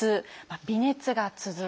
微熱が続く。